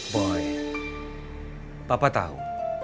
boy papa tahu